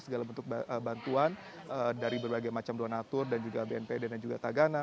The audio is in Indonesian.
segala bentuk bantuan dari berbagai macam donatur dan juga bnp dan juga tagana